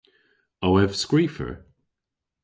O ev skrifer?